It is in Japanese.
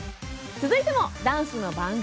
続いてもダンスの番組！